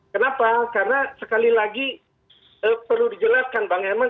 kenapa karena sekali lagi perlu dijelaskan bang herman